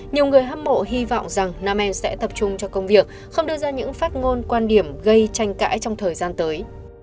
nhiều người hâm mộ hy vọng rằng nam em sẽ tập trung cho công việc không đưa ra những phát ngôn quan điểm gây tranh cãi trong thời gian tới